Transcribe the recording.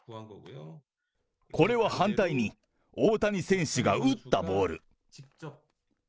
これは反対に、大谷選手が打ったボール。